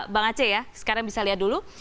bang aceh ya sekarang bisa lihat dulu